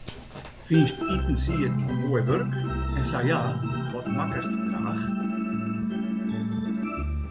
Fynst itensieden moai wurk, en sa ja, wat makkest graach?